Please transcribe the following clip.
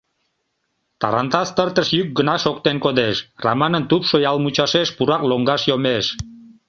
Тарантас тыртыш йӱк гына шоктен кодеш, Раманын тупшо ял мучашеш пурак лоҥгаш йомеш.